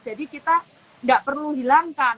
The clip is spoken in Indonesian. jadi kita tidak perlu hilangkan